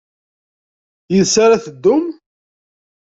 Yid-s ara ad teddum?